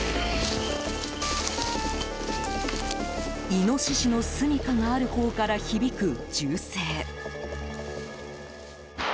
イノシシのすみかがあるほうから、響く銃声。